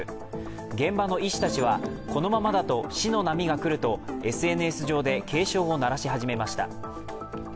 現場の医師たちは、このままだと死の波が来るとＳＮＳ上で警鐘を鳴らし始めました。